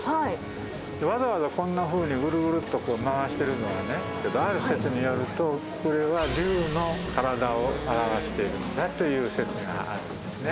わざわざこんなふうにグルグルと回してるのはねとある説によるとこれは竜の体を表しているんだという説があるんですね。